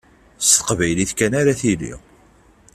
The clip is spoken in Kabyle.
S teqbaylit kan ara tili.